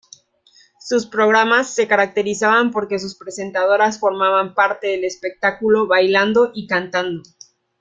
Sus programas se caracterizaban porque sus presentadoras formaban parte del espectáculo bailando y cantando.